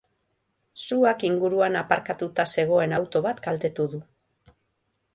Suak inguruan aparkatuta zegoen auto bat kaltetu du.